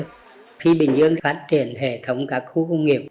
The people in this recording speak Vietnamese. khi bình dương phát triển hệ thống các khu công nghiệp